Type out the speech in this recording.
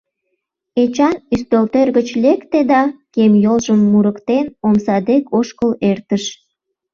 Эчан ӱстелтӧр гыч лекте да, кем йолжым мурыктен, омса дек ошкыл эртыш.